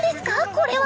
これは！！